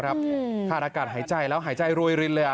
ขาดอากาศหายใจแล้วหายใจรวยรินเลย